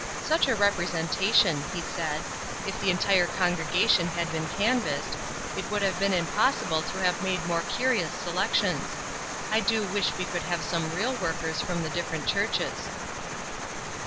"Such a representation!" he said. "If the entire congregation had been canvassed, it would have been impossible to have made more curious selections. I do wish we could have some real workers from the different churches."